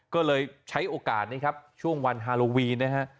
ก็เลยใช้โอกาสนี้ครับช่วงวันฮาโลวีนนะฮะ